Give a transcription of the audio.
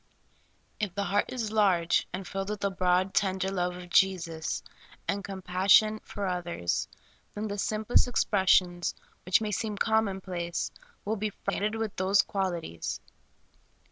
If the heart is large and filled with the broad, tender love of Jesus, and compassion for others, then the simplest expressions, which may seem common place, will be freighted with these qual ities.